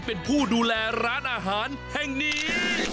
เป็นผู้ดูแลร้านอาหารแห่งนี้